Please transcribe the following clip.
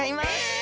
え！